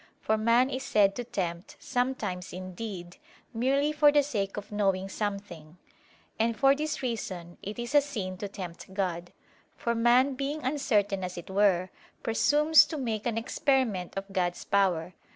For man is said to tempt, sometimes indeed merely for the sake of knowing something; and for this reason it is a sin to tempt God; for man, being uncertain as it were, presumes to make an experiment of God's power.